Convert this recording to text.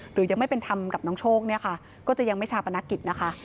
หรือยังไม่เป็นธรรมกับน้องโชคเนี่ยค่ะก็จะยังไม่ชาปนกิจนะคะ